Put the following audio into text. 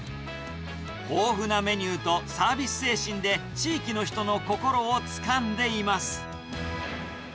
豊富なメニューとサービス精神で、地域の人の心をつかんでいます。